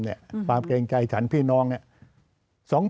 ความเกรงใจฐานพี่น้อง